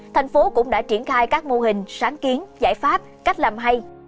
thành phố cũng đã triển khai các mô hình sáng kiến giải pháp cách làm hay